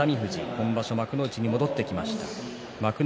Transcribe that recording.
今場所、幕内に戻ってきました。